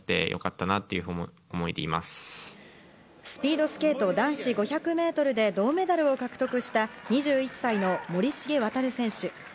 スピードスケート男子５００メートルで銅メダルを獲得した２１歳の森重航選手。